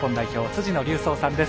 辻野隆三さんです。